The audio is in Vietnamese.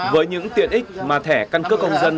với những tiện ích mà thẻ căn cước công dân